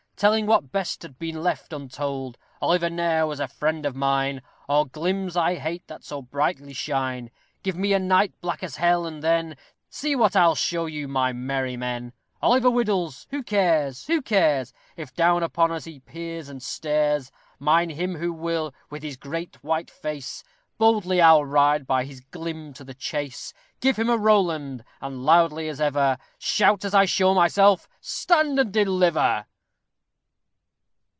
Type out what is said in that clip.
Telling what best had been left untold. Oliver ne'er was a friend of mine; All glims I hate that so brightly shine. Give me a night black as hell, and then See what I'll show to you, my merry men. Oliver whiddles! who cares who cares, If down upon us he peers and stares? Mind him who will, with his great white face, Boldly I'll ride by his glim to the chase; Give him a Rowland, and loudly as ever Shout, as I show myself, "Stand and deliver!"